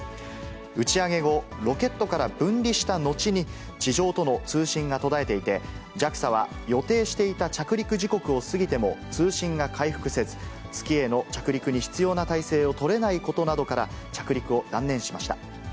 打ち上げ後、ロケットから分離した後に、地上との通信が途絶えていて、ＪＡＸＡは予定していた着陸時刻を過ぎても通信が回復せず、月への着陸に必要な態勢を取れないことなどから、着陸を断念しました。